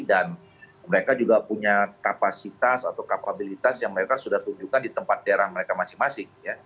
dan mereka juga punya kapasitas atau kapabilitas yang mereka sudah tunjukkan di tempat daerah mereka masing masing